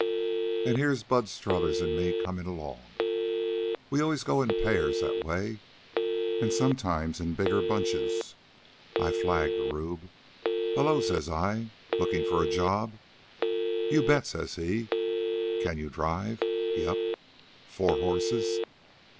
"An' here's Bud Strothers an' me comin' along. We always go in pairs that way, an' sometimes bigger bunches. I flag the rube. 'Hello,' says I, 'lookin' for a job?' 'You bet,' says he. 'Can you drive?' 'Yep.' 'Four horses!'